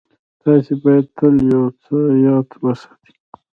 تاسې بايد تل يو څه ياد وساتئ.